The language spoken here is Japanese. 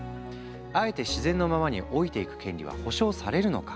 あえて自然のままに老いていく権利は保障されるのか？